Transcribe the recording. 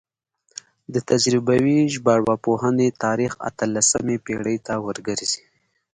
د تجربوي ژبارواپوهنې تاریخ اتلسمې پیړۍ ته ورګرځي